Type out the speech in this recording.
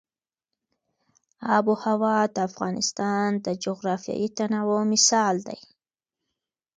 آب وهوا د افغانستان د جغرافیوي تنوع مثال دی.